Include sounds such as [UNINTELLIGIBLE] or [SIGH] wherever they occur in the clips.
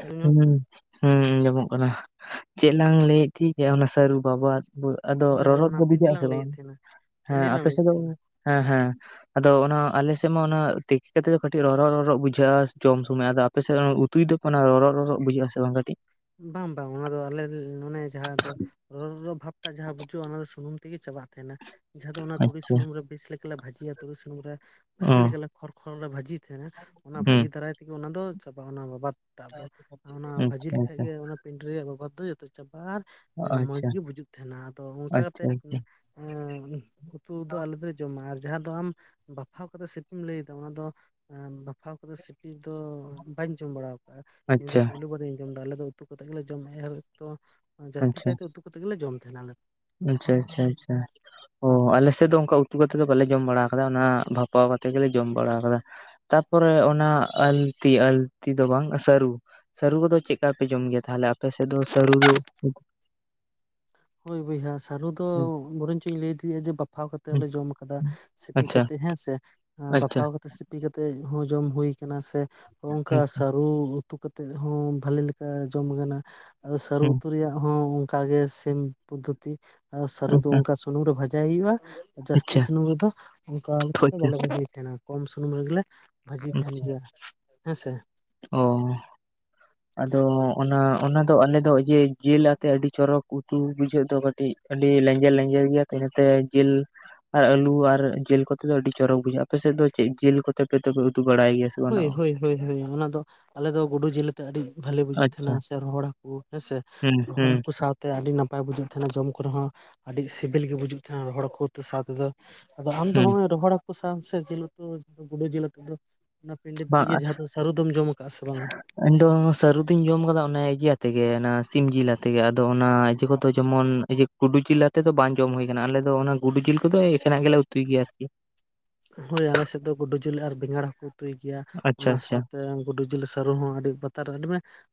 Hello ᱦᱩᱸ ᱧᱟᱢᱚᱜ ᱠᱟᱱᱟ ᱦᱩᱸ ᱟᱸᱡᱚᱢᱚᱜ ᱠᱟᱱᱟ ᱪᱮᱫ ᱞᱟᱝ ᱞᱮ ᱴᱷᱤᱠ ᱜᱮᱭᱟ ᱚᱱᱟ ᱥᱟᱹᱨᱩ ᱵᱟᱵᱟᱫ ᱟᱫᱚ ᱦᱳᱭ ᱦᱳᱭ ᱨᱚᱼᱨᱚᱫ ᱚᱱᱟ ᱜᱮ ᱯᱮᱱᱰᱮᱞ ᱵᱩᱡᱷᱟᱹᱜ ᱟᱥᱮ ᱞᱟᱝ ᱞᱟᱹᱭᱮᱫ ᱵᱟᱝ ᱛᱟᱦᱮᱱᱟ ᱦᱮᱸ ᱯᱮᱱᱰᱮᱞ ᱞᱟᱝ ᱟᱯᱮ ᱥᱮᱫ ᱞᱟᱹᱭᱮᱫ ᱫᱚ ᱛᱟᱦᱮᱱᱟ ᱦᱮᱸ ᱦᱮᱸ ᱟᱫᱚ ᱚᱱᱟ ᱟᱞᱮᱥᱮᱫ ᱢᱟ ᱚᱱᱟ ᱛᱮᱠᱤ ᱠᱟᱛᱮᱫ ᱫᱚ ᱠᱟᱹᱴᱤᱡ ᱨᱚ ᱨᱚᱼᱨᱚᱜ ᱵᱩᱡᱷᱟᱹᱜᱼᱟ ᱡᱚᱢ ᱥᱩᱢᱚᱭ ᱟᱫᱚ ᱟᱯᱮᱥᱮᱫ ᱛᱩᱭ [UNINTELLIGIBLE] ᱟᱱᱟ ᱨᱚᱼᱨᱚᱜ ᱨᱚᱨᱚᱜ ᱵᱩᱡᱷᱟᱹᱜ ᱟᱥᱮ ᱵᱟᱝ ᱠᱟᱹᱴᱤᱡ ᱵᱟᱝ ᱵᱟᱝ ᱚᱱᱟ ᱫᱚ ᱟᱞᱮ ᱚᱱᱮ ᱡᱟᱦᱟᱸ ᱫᱚ [INAUDIBLE] ᱵᱷᱟᱵ ᱴᱟ ᱡᱟᱦᱟᱸ ᱵᱩᱡᱩᱜᱼᱟ ᱚᱱᱟ ᱫᱚ ᱥᱩᱱᱩᱢ ᱛᱤᱜᱤ ᱪᱟᱵᱟᱜ ᱛᱟᱦᱮᱸᱱᱟ ᱡᱟᱦᱟᱸ ᱫᱚ ᱚᱱᱟ ᱛᱩᱲᱤ ᱟᱪᱪᱷᱟ ᱥᱩᱱᱩᱢ ᱨᱮ ᱵᱮᱥ ᱞᱮᱠᱟᱞᱮ ᱵᱷᱟᱹᱡᱤᱭᱟ ᱛᱩᱲᱤ ᱥᱩᱱᱩᱢ ᱨᱮ ᱚ ᱵᱷᱟᱹᱜᱤ ᱞᱮᱠᱟᱞᱮ ᱠᱷᱚᱨ ᱠᱷᱚᱨ ᱞᱮ ᱵᱷᱟᱹᱡᱤ ᱛᱟᱦᱮᱸᱱᱟ ᱚᱱᱟ ᱦᱩᱸ ᱵᱷᱟᱹᱡᱤ ᱫᱟᱨᱟᱭ ᱛᱮᱜᱮ ᱚᱱᱟ ᱫᱚ ᱪᱟᱵᱟᱜᱼᱟ ᱚᱱᱟ ᱵᱟᱵᱟᱫ ᱴᱟᱜ ᱫᱚ ᱚᱱᱟ ᱵᱷᱟᱹᱡᱤ ᱟᱪᱪᱷᱟ ᱞᱮᱠᱷᱟᱡ ᱟᱪᱪᱷᱟ ᱜᱮ ᱚᱱᱟ [UNINTELLIGIBLE] ᱨᱮᱭᱟᱜ ᱵᱟᱵᱚᱫ ᱫᱚ ᱡᱚᱛᱚ ᱪᱟᱵᱟᱨ ᱢᱚᱸᱡᱽ ᱟᱪᱪᱷᱟ ᱜᱮ ᱵᱩᱡᱩᱜ ᱛᱟᱦᱮᱸᱱᱟ ᱟᱫᱚ ᱚᱱᱠᱟ ᱠᱟᱛᱮᱜ ᱟᱪᱪᱷᱟ ᱩᱛᱩ ᱫᱚ ᱟᱞᱮ ᱫᱚᱞᱮ ᱡᱚᱢᱟ ᱟᱨ ᱡᱟᱦᱟᱸ ᱫᱚ ᱟᱢ ᱵᱟᱯᱷᱟᱣ ᱠᱟᱛᱮᱜ ᱥᱤᱯᱤᱢ ᱞᱟᱹᱭᱫᱟ ᱚᱱᱟ ᱫᱚ ᱵᱟᱯᱷᱟᱣ ᱠᱟᱛᱮ ᱫᱚ ᱵᱟᱹᱧ ᱡᱚᱢ ᱵᱟᱲᱟ ᱠᱟᱜᱼᱟ ᱱᱤᱭᱟᱹ ᱫᱚ ᱟᱪᱪᱷᱟ ᱟᱪᱪᱷᱟ ᱯᱩᱭᱞᱩ ᱵᱟᱨ ᱡᱚᱢ ᱫᱚ ᱟᱞᱮ ᱫᱚ ᱩᱛᱩ ᱠᱟᱛᱮᱫ ᱜᱮᱭᱟᱞᱮ ᱟᱞᱮ ᱫᱚ ᱟᱪᱪᱷᱟ ᱡᱟᱹᱥᱛᱤ ᱠᱟᱭᱛᱮ ᱩᱛᱩ ᱠᱟᱛᱮᱫ ᱜᱮᱞᱮ ᱡᱚᱢ ᱛᱟᱦᱮᱱᱟ ᱟᱞᱮ ᱟᱪᱪᱷᱟ ᱟᱪᱪᱷᱟ ᱟᱪᱪᱷᱟ ᱚ ᱟᱞᱮᱥᱮᱫ ᱫᱚ ᱚᱱᱠᱟ ᱩᱛᱩ ᱠᱟᱛᱮᱫ ᱫᱚ ᱵᱟᱞᱮ ᱡᱚᱢ ᱵᱟᱲᱟ ᱟᱠᱟᱫᱟ ᱚᱱᱟ ᱵᱷᱟᱯᱟᱣ ᱠᱟᱛᱮ ᱜᱮᱞᱮ ᱡᱚᱢ ᱵᱟᱲᱟ ᱟᱠᱟᱫᱟ ᱛᱟᱯᱚᱨᱮ ᱚᱱᱟ ᱟᱞᱛᱤ ᱟᱞᱛᱤ ᱫᱚ ᱵᱟᱝ ᱥᱟᱹᱨᱩ ᱥᱟᱹᱨᱩ ᱠᱚᱫᱚ ᱪᱮᱫ ᱠᱟ ᱯᱮ ᱡᱚᱢ ᱜᱮᱭᱟ ᱛᱟᱦᱚᱞᱮ ᱟᱯᱮ ᱥᱮᱫ ᱫᱚ ᱥᱟᱹᱨᱩ ᱫᱚ ᱦᱳᱭ ᱵᱚᱭᱦᱟ ᱟᱹᱞᱩ ᱫᱚ ᱵᱚᱨᱚᱱᱪᱚᱭ ᱞᱟᱹᱭ [UNINTELLIGIBLE] ᱡᱮ ᱵᱟᱯᱷᱟᱣ ᱠᱟᱛᱮ ᱦᱚᱞᱮ ᱡᱚᱢ ᱠᱟᱫᱟ ᱥᱤᱯᱤ ᱟᱪᱪᱷᱟ ᱠᱟᱛᱮ ᱦᱮᱸᱥᱮ ᱟᱪᱪᱷᱟ ᱵᱟᱯᱷᱟᱣ ᱠᱟᱛᱮᱜ ᱥᱤᱯᱤ ᱠᱟᱛᱮᱜ ᱦᱚᱸ ᱡᱚᱢ ᱦᱩᱭ ᱠᱟᱱᱟ ᱥᱮ ᱚᱝᱠᱟ ᱟᱪᱪᱷᱟ ᱥᱟᱹᱨᱩ ᱚᱛᱩ ᱠᱟᱛᱮᱜ ᱦᱚᱸ ᱵᱟᱹᱞᱞᱤ ᱞᱮᱠᱟ ᱡᱚᱢ ᱜᱟᱱᱚᱟ ᱟᱫᱚ ᱥᱟᱹᱨᱩ ᱩᱛᱩ ᱨᱮᱭᱟᱜ ᱦᱚᱸ ᱚᱱᱠᱟ ᱜᱮ ᱥᱮᱢ ᱯᱚᱫᱽᱫᱷᱚᱛᱤ ᱥᱟᱹᱨᱩ ᱫᱚ ᱚᱱᱠᱟ ᱥᱩᱱᱩᱢ ᱨᱮ ᱵᱷᱟᱡᱟᱭ ᱦᱩᱭᱩᱜᱼᱟ᱾ ᱡᱟᱹᱥᱛᱤ ᱟᱪᱪᱷᱟ ᱥᱩᱱᱩᱢ ᱨᱮᱫᱚ ᱚᱱᱠᱟ ᱵᱟᱞᱮ ᱟᱪᱪᱷᱟ ᱵᱷᱟᱡᱤᱭᱮᱫ ᱛᱟᱦᱮᱱᱟ, ᱠᱚᱢ ᱥᱩᱱᱩᱢ ᱨᱮ ᱜᱮᱞᱮ ᱵᱷᱟᱹᱡᱤ ᱛᱟᱦᱮᱱ ᱜᱮᱭᱟ ᱦᱮᱸ ᱥᱮ ᱚᱻ [UNINTELLIGIBLE] ᱟᱫᱚ ᱚᱱᱟ ᱚᱱᱟ ᱫᱚ ᱟᱞᱮᱫᱚ ᱤᱭᱟᱹ ᱡᱤᱞ ᱟᱛᱮ ᱟᱹᱰᱤ ᱪᱚᱨᱚᱠ ᱩᱛᱩ ᱵᱩᱡᱷᱟᱹᱜ ᱫᱚ ᱠᱟᱹᱴᱤᱡ ᱟᱹᱰᱤ ᱞᱮᱸᱡᱮᱨ ᱞᱮᱸᱡᱮᱨ ᱜᱮᱭᱟ ᱛᱚ ᱤᱱᱟᱹᱛᱮ ᱡᱤᱞ ᱟᱨ ᱟᱞᱩ ᱟᱨ ᱡᱮᱞ ᱠᱚᱛᱮ ᱫᱚ ᱟᱹᱰᱤ ᱪᱚᱨᱚᱠ ᱵᱩᱡᱷᱟᱹᱜᱼᱟ ᱟᱯᱮ ᱥᱮᱫ ᱫᱚ ᱪᱮᱫ ᱡᱮᱞ ᱠᱚᱛᱮ ᱯᱮ ᱩᱛᱜ ᱵᱟᱲᱟᱭ ᱜᱮᱭᱟ? ᱵᱟᱝ ᱦᱳᱭ ᱦᱳᱭ ᱦᱳᱭ ᱚᱱᱟ ᱫᱚ ᱟᱞᱮ ᱫᱚ ᱜᱩᱰᱩ ᱡᱤᱞ ᱟᱮᱛ ᱟᱹᱰᱤ ᱵᱷᱟᱞᱤ ᱵᱩᱡᱩᱜ ᱟᱪᱪᱷᱟ, ᱛᱟᱦᱮᱱᱟ᱾ ᱨᱚᱦᱚᱲ ᱦᱟᱠᱩ ᱦᱮᱸᱥᱮ ᱦᱩᱸ ᱨᱚᱦᱚᱲ ᱦᱩᱸ ᱦᱟᱠᱩ ᱥᱟᱶ ᱛᱮ ᱟᱹᱰᱤ ᱱᱟᱯᱟᱭ ᱵᱩᱡᱟᱹᱜ ᱛᱟᱦᱮᱸᱱᱟ ᱡᱚᱢ ᱠᱚᱨᱮ ᱦᱚᱸ ᱟᱹᱰᱤ ᱥᱮᱵᱮᱞ ᱜᱮ ᱵᱩᱡᱩᱜ [UNINTELLIGIBLE] ᱦᱚᱲ ᱠᱚ ᱥᱟᱶ ᱛᱮᱫᱚ ᱟᱫᱚ ᱟᱢ ᱫᱚ ᱦᱩᱸ ᱜᱚᱢᱠᱮ ᱨᱚᱦᱚᱲ ᱦᱟᱠᱩ ᱥᱟᱸᱣ ᱥᱮ ᱡᱤᱞ ᱩᱛᱩ ᱜᱩᱰᱩ ᱡᱤᱞ ᱩᱛᱩ ᱫᱚ ᱚᱱᱟ ᱯᱤᱰᱤᱮᱛ ᱤᱭᱟᱹ ᱡᱟᱦᱟᱸ ᱫᱚ ᱥᱟᱹᱨᱩ ᱫᱚᱢ ᱡᱚᱢ ᱟᱠᱟᱟᱜᱼᱟ ᱥᱮ ᱵᱟᱝᱟ? ᱤᱧᱫᱚ ᱥᱟᱹᱨᱩ ᱫᱩᱧ ᱡᱚᱢ ᱟᱠᱟᱫᱟ ᱚᱱᱮ ᱤᱭᱟ ᱟᱛᱮᱜᱮ ᱚᱱᱟ ᱥᱤᱢ ᱡᱤᱞ ᱟᱛᱮ ᱜᱮ ᱟᱫᱚ ᱚᱱᱟ ᱮᱤᱭᱟᱹ ᱠᱚᱫᱚ ᱡᱮᱢᱚᱱ ᱜᱩᱰᱩ ᱡᱤᱞ ᱟᱛᱮᱮᱫ ᱫᱚ ᱵᱟᱝ ᱡᱚᱢ ᱦᱩᱭ ᱟᱠᱟᱱᱟ ᱟᱞᱮ ᱫᱚ ᱚᱱᱟ ᱜᱩᱰᱩ ᱡᱤᱞ ᱠᱚᱫᱚ ᱮᱠᱷᱮᱱᱟᱜ ᱜᱮᱞᱮ ᱩᱛᱩᱭ ᱜᱮᱭᱟ ᱟᱨᱠᱤ᱾ ᱦᱳᱭ ᱟᱞᱮᱥᱮᱫ ᱫᱚ ᱜᱩᱰᱩ ᱡᱤᱞ ᱟᱨ ᱵᱮᱸᱜᱟᱲ ᱦᱚᱸᱠᱚ ᱩᱛᱩᱭ ᱜᱮᱭᱟ ᱟᱪᱪᱷᱟ ᱚᱱᱟ ᱟᱪᱪᱷᱟ ᱥᱟᱶᱛᱮ ᱜᱩᱰᱩ ᱡᱤᱞ ᱥᱟᱹᱨᱩ ᱦᱚᱸ ᱟᱹᱰᱤ ᱵᱟᱛᱟᱨ ᱨᱮ ᱟᱹᱰᱤ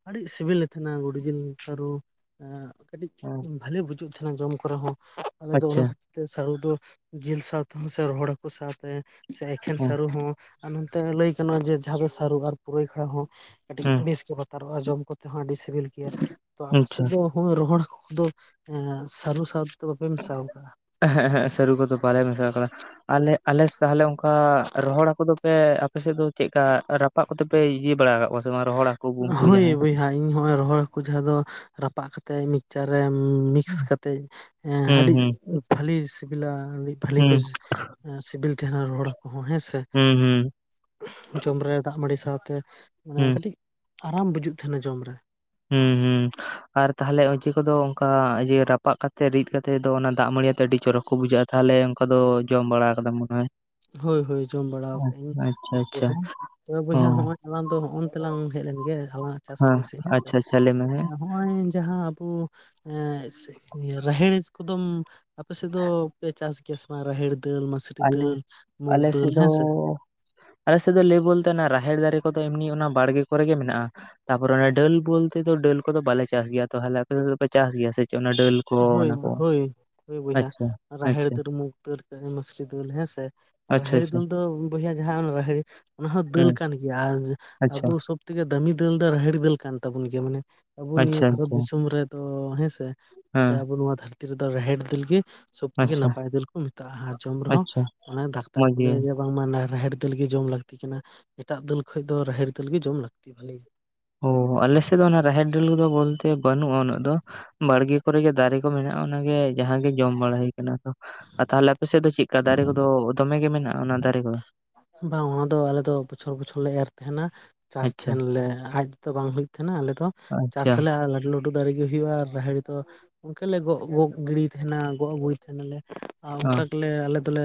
ᱟᱹᱰᱤ ᱥᱤᱵᱤᱞᱮ ᱛᱟᱦᱮᱱᱟ ᱜᱳᱰᱩ ᱡᱤᱞ ᱥᱟᱹᱨᱩ᱾ ᱠᱟᱹᱴᱤᱡ ᱦᱮᱸ ᱵᱷᱟᱞᱤ ᱵᱩᱡᱩᱜ ᱛᱟᱦᱮᱱᱟ ᱡᱚᱢ ᱠᱚᱨᱮ ᱦᱚᱸ, ᱟᱞᱮ ᱫᱚ ᱟᱪᱪᱷᱟ ᱚᱱᱟ ᱥᱟᱹᱨᱩ ᱫᱚ ᱡᱤᱞ ᱥᱟᱶᱛᱮᱦ ᱥᱮ ᱨᱚᱦᱚᱲ ᱦᱟᱹᱠᱩ ᱥᱟᱶᱛᱮ ᱥᱮ ᱮᱠᱷᱮᱱ ᱦᱮᱸ ᱥᱟᱹᱨᱩ ᱦᱚᱸ ᱟᱨ ᱱᱚᱱᱛᱮ ᱞᱟᱹᱭ ᱜᱟᱱ ᱡᱮ ᱡᱟᱦᱟᱸ ᱫᱚ ᱥᱟᱨᱩ ᱟᱨ ᱯᱩᱨᱟᱹᱭ ᱠᱷᱲᱟ ᱦᱚᱸ ᱠᱟᱹᱴᱤᱡ ᱦᱮᱸ ᱵᱮᱥ ᱜᱮ ᱵᱟ ᱟᱨᱚ ᱟᱸᱡᱚᱢ ᱠᱚᱛᱮ ᱦᱚᱸ ᱟᱹᱰᱤ ᱥᱤᱵᱤᱞ ᱜᱮᱭᱟ ᱛᱚ ᱟᱯᱮ ᱟᱪᱪᱷᱟ ᱥᱮᱫ ᱫᱚ ᱦᱳᱭ ᱨᱚᱦᱚᱲ ᱦᱟᱹᱠᱩ ᱠᱚᱫᱚ ᱮ ᱥᱟᱹᱨᱩ ᱥᱟᱶ ᱛᱮᱫᱚ ᱵᱟᱯᱮ ᱢᱮᱥᱟᱣ ᱠᱟᱜᱼᱟ ᱮᱸᱦᱮᱜ ᱮᱸᱦᱮᱜ ᱥᱟᱹᱨᱩ ᱠᱚᱫᱚ ᱵᱟᱞᱮ ᱢᱮᱥᱟᱜ ᱠᱟᱱᱟ ᱟᱞᱮ ᱟᱞᱮ ᱛᱟᱦᱚᱞᱮ, ᱚᱱᱠᱟ ᱨᱚᱦᱚᱲ ᱦᱟᱹᱠᱩ ᱫᱚᱯᱮ ᱟᱯᱮ ᱥᱮᱫ ᱫᱚ ᱪᱮᱫ ᱞᱮᱠᱟ ᱨᱟᱯᱟᱜ ᱠᱚᱛᱮ ᱯᱮ ᱤᱭᱟᱹ ᱵᱟᱲᱟ ᱟᱠᱟᱫ ᱠᱚᱣᱟ ᱥᱮ ᱨᱚᱦᱚᱲ ᱟᱠᱚ ᱩᱱᱠᱩ ᱦᱳᱭ ᱡᱟᱦᱟᱸᱭ, ᱵᱚᱭᱦᱟ ᱤᱧ ᱱᱚᱜᱚᱭ ᱨᱚᱦᱚᱲ ᱦᱟᱹᱠᱩ ᱡᱟᱦᱟᱸ ᱫᱚ ᱨᱟᱯᱟᱜ ᱠᱟ ᱛᱮ ᱢᱤᱠᱥᱪᱟᱨ ᱨᱮ ᱢᱤᱠᱥ ᱠᱟᱛᱮᱫ ᱦᱩᱸ ᱟᱹᱰᱤ ᱦᱩᱸ ᱵᱷᱟᱹᱞᱤ ᱥᱤᱵᱤᱞᱟ, ᱵᱷᱟᱹᱞᱤ ᱠᱚ ᱦᱩᱸ ᱥᱤᱵᱤᱞ ᱛᱟᱦᱮᱸᱱᱟ ᱨᱚᱦᱚᱲ ᱦᱟᱹᱠᱩ ᱦᱚᱸ ᱦᱮᱸᱥᱮ ᱾ ᱦᱩᱸ ᱦᱩᱸ ᱡᱚᱢ ᱨᱮ ᱫᱟᱜ-ᱢᱟᱹᱲᱤ ᱥᱟᱶᱛᱮ ᱢᱟᱱᱮ ᱦᱩᱸ ᱠᱟᱹᱴᱤᱡ ᱟᱨᱟᱢ ᱵᱩᱡᱩᱜ ᱛᱟᱦᱮᱱᱟ ᱡᱚᱢ ᱨᱮ᱾ ᱦᱩᱸ ᱦᱩᱸ ᱟᱨ ᱛᱟᱦᱚᱞᱮ ᱚᱡᱮ ᱠᱚᱫᱚ ᱚᱱᱠᱟ ᱨᱟᱯᱟᱜ ᱠᱟᱛᱮᱜ ᱨᱤᱫ ᱠᱟᱛᱮᱜ ᱫᱚ ᱚᱱᱟ ᱫᱟᱜ ᱢᱟᱹᱲᱤᱭᱟᱛᱮ ᱟᱹᱰᱤ ᱪᱚᱨᱚᱠ ᱠᱚ ᱵᱩᱡᱷᱟᱹᱜᱼᱟ ᱛᱟᱦᱚᱞᱮ ᱚᱱᱠᱟ ᱫᱚ ᱡᱚᱢ ᱵᱟᱲᱟ ᱟᱠᱟᱫᱟ ᱢᱚᱱᱮ ᱦᱚᱭ, ᱦᱳᱭ ᱦᱳᱭ ᱡᱚᱢ ᱵᱟᱲᱟ ᱟᱠᱟᱜ ᱟᱹᱧ ᱟᱪᱪᱷᱟ ᱩᱱᱠᱩ ᱟᱪᱪᱷᱟ ᱦᱚᱸ ᱛᱚᱵᱮ ᱚ ᱵᱚᱭᱦᱟ ᱦᱚᱸᱜᱚᱭ ᱟᱞᱟᱝ ᱫᱚ ᱦᱚᱜ-ᱚ ᱱᱚᱛᱮᱞᱟᱝ ᱦᱮᱡ ᱞᱮᱱ ᱜᱮ ᱟᱞᱟᱝ ᱪᱟᱥ ᱠᱟᱹᱢᱤ ᱥᱮᱫ ᱦᱮᱸ ᱥᱮ ᱟᱪᱪᱷᱟ ᱟᱪᱪᱷᱟ ᱞᱟᱹᱭ ᱢᱮ ᱦᱮᱸ ᱱᱚᱜᱼᱚᱭ ᱡᱟᱦᱟᱸ ᱟᱵᱚ ᱨᱟᱦᱮᱲ ᱠᱚᱫᱚᱢᱼᱼ ᱟᱯᱮ ᱥᱮᱫ ᱫᱚᱯᱮ ᱪᱟᱥ ᱜᱮᱭᱟ ᱥᱮ ᱵᱟᱝ ᱨᱟᱦᱮᱲ ᱫᱟᱹᱞ ᱢᱟᱥᱨᱤ ᱟᱞᱮ ᱫᱟᱹᱞ, ᱢᱩᱜᱽ ᱟᱞᱮ ᱫᱟᱹᱞ ᱥᱮᱫ ᱫᱚ, ᱦᱮᱸ ᱥᱮ ᱚ, ᱟᱞᱮ ᱥᱮᱫ ᱫᱚ ᱞᱟᱹᱭ ᱵᱚᱞᱛᱮ ᱨᱟᱦᱮᱲ ᱫᱟᱨᱮᱹ ᱠᱚᱫᱚ ᱮᱢᱱᱤ ᱚᱱᱟ ᱵᱟᱲᱜᱮᱹ ᱠᱚᱨᱮ ᱜᱮ ᱢᱮᱱᱟᱜᱼᱟ᱾ ᱛᱟᱯᱚᱨ ᱚᱱᱟ ᱰᱟᱹᱞ ᱵᱚᱞᱛᱮ ᱫᱚ ᱰᱟᱹᱞ ᱠᱚᱫᱚ ᱵᱟᱞᱮ ᱪᱟᱥ ᱜᱮᱭᱟ ᱛᱟᱦᱚᱞᱮ ᱟᱯᱮ ᱥᱮᱫ ᱫᱚ ᱯᱮ ᱪᱟᱥ ᱜᱮᱭᱟ ᱥᱮ ᱪᱮᱫ ᱚᱱᱟ ᱰᱟᱹᱞ, ᱠᱚ ᱦᱳᱭ ᱚᱱᱟ ᱠᱚ ᱦᱳᱭ ᱦᱳᱭ ᱵᱚᱭᱦᱟ ᱟᱪᱪᱷᱟ ᱨᱟᱦᱮᱲ ᱟᱪᱪᱷᱟ ᱫᱟᱹᱞ ᱢᱩᱠᱷ ᱫᱟᱹᱞ ᱢᱟᱥᱨᱤ ᱫᱟᱹᱞ ᱦᱮᱸ ᱥᱮ, ᱟᱪᱪᱷᱟ ᱨᱟᱦᱮᱲ ᱟᱪᱪᱷᱟ ᱫᱟᱹᱞ ᱫᱚ ᱵᱚᱭᱦᱟ ᱡᱟᱦᱟᱸ ᱨᱟᱦᱮᱲ ᱚᱱᱟ ᱦᱚᱸ ᱫᱟᱹᱞ ᱦᱮᱸ ᱠᱟᱱ ᱜᱮᱭᱟ ᱟᱨ ᱟᱪᱪᱷᱟ ᱟᱵᱚ ᱥᱚᱵ ᱛᱮᱜᱮ ᱫᱟᱹᱢᱤ ᱫᱟᱹᱞ ᱫᱚ ᱨᱟᱦᱮᱲ ᱫᱟᱹᱞ ᱠᱟᱱ ᱛᱟᱵᱚᱱ ᱜᱮᱭᱟ ᱢᱟᱱᱮ, ᱟᱵᱚ ᱱᱤᱭᱟᱹ ᱟᱪᱪᱷᱟ ᱵᱷᱟᱨᱚᱛ ᱟᱪᱪᱷᱟ ᱫᱤᱥᱚᱢ ᱨᱮᱫᱚ ᱦᱮᱸᱥᱮ ᱥᱮ ᱦᱮᱸ ᱟᱵᱚ ᱱᱚᱣᱟ ᱫᱷᱟᱹᱨᱛᱤ ᱨᱮᱫᱚ ᱨᱟᱦᱮᱲ ᱫᱟᱹᱞ ᱜᱮ, ᱥᱚᱵ ᱛᱷᱮᱹᱠᱮ ᱟᱪᱪᱷᱟ ᱱᱟᱯᱟᱭ ᱫᱟᱹᱞ ᱠᱚ ᱢᱮᱛᱟᱜᱼᱟ ᱟᱨ ᱡᱚᱢ ᱨᱮᱦᱚᱸ ᱟᱪᱪᱷᱟ ᱚᱱᱟ ᱰᱟᱠᱛᱟᱨ ᱢᱚᱡᱽ ᱠᱚ ᱜᱮ ᱞᱟᱹᱭᱟ ᱡᱮ ᱵᱟᱝᱢᱟ ᱨᱟᱦᱮᱲ ᱫᱟᱹᱞ ᱜᱮ ᱡᱚᱢ ᱞᱟᱹᱠᱛᱤ ᱠᱟᱱᱟ ᱮᱴᱟᱜ ᱫᱟᱹᱞ ᱠᱷᱚᱱ ᱫᱚ ᱨᱟᱦᱮᱲ ᱫᱟᱹᱞ ᱜᱮ ᱡᱚᱢ ᱞᱟᱹᱠᱛᱤ ᱵᱷᱟᱹᱞᱤᱭᱟ ᱾ ᱚ ᱟᱞᱮ ᱥᱮᱫ ᱫᱚ ᱚᱱᱟ ᱨᱟᱦᱮᱲ ᱰᱟᱹᱞ ᱠᱚᱫᱚ ᱵᱚᱞᱛᱮ ᱵᱟᱹᱱᱩᱜᱼᱟ ᱩᱱᱟᱹᱜ ᱫᱚ, ᱵᱟᱲᱜᱮ ᱠᱚᱨᱮ ᱜᱮ ᱫᱟᱨᱮ ᱠᱚ ᱢᱮᱱᱟᱜᱼᱟ, ᱚᱱᱟᱜᱮ ᱡᱟᱸᱦᱟᱸ ᱜᱮ ᱡᱚᱢ ᱵᱟᱲᱟ ᱦᱩᱭ ᱟᱠᱟᱱᱟ ᱟᱫᱚ ᱾ ᱟᱨ ᱛᱟᱦᱚᱞᱮ ᱟᱯᱮ ᱥᱮᱫ ᱫᱚ ᱪᱮᱫ ᱫᱟᱨᱮ ᱠᱚ ᱫᱚ ᱫᱚᱢᱮ ᱜᱮ ᱢᱮᱱᱟᱜᱼᱟ ᱚᱱᱟ ᱫᱟᱨᱮ ᱠᱚᱫᱚ ᱵᱟᱝ ᱚᱱᱟ ᱫᱚ ᱟᱞᱮ ᱫᱚ ᱵᱚᱪᱷᱚᱨ ᱵᱚᱪᱷᱚᱨ ᱞᱮ ᱮᱨ ᱛᱟᱦᱮᱱᱟ ᱾ ᱪᱟᱥ ᱟᱪᱪᱷᱟ ᱛᱟᱦᱮᱸᱱ ᱞᱮ ᱟᱡ ᱛᱮᱫᱚ ᱵᱟᱝ ᱦᱩᱭᱩᱜ ᱛᱟᱦᱮᱸᱱᱟ ᱟᱞᱮᱫᱚ ᱪᱟᱥ ᱟᱪᱪᱷᱟ ᱛᱟᱞᱮ ᱟᱨᱚ ᱞᱟᱹᱴᱩ ᱞᱟᱹᱴᱩ ᱞᱟᱹᱴᱩ ᱫᱟᱨᱮ ᱜᱮ ᱦᱩᱭᱩᱜᱼᱟ ᱟᱨ ᱨᱟᱦᱮᱲ ᱫᱚ ᱚᱱᱠᱟ ᱞᱮ ᱜᱚᱜ ᱜᱚᱜ ᱜᱤᱲᱤᱭ ᱛᱟᱦᱮᱸᱱᱟ ᱜᱚᱜ ᱟᱹᱜᱩᱭ ᱛᱟᱦᱮᱸᱱᱟᱞᱮ ᱾ ᱟᱨ ᱚ ᱚᱱᱠᱟ ᱜᱮᱞᱮ ᱟᱞᱮ ᱫᱚᱞᱮ